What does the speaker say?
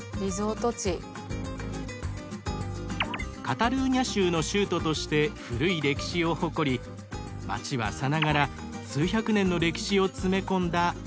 カタルーニャ州の州都として古い歴史を誇り街はさながら数百年の歴史を詰め込んだ玉手箱。